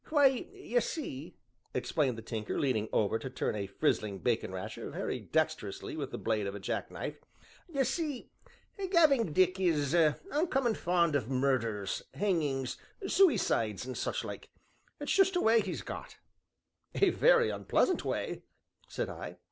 "Why, y' see," explained the Tinker, leaning over to turn a frizzling bacon rasher very dexterously with the blade of a jack knife, "y' see, 'Gabbing' Dick is oncommon fond of murders, hangings, sooicides, and such like it's just a way he's got." "A very unpleasant way!" said I.